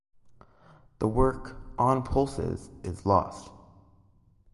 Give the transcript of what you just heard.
The work "On Pulses" is lost.